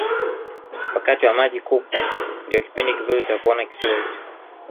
wakati wa maji kupwa ndiyo kipindi kizuri cha kuona kisiwa hicho